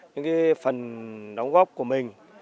những cái phần đóng góp của mình